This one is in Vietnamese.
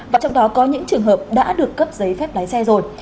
và trong đó có những trường hợp đã được cấp chế phép nền xe rồi